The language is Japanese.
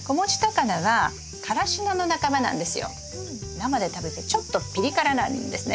生で食べるとちょっとピリ辛なんですね。